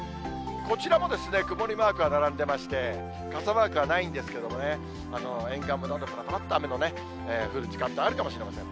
こちらも曇りマークが並んでまして、傘マークはないんですけど、沿岸部、ぱらっと雨が降る時間もあるかもしれません。